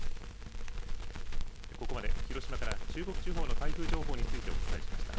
ここまで広島から中国地方の台風情報についてお伝えしました。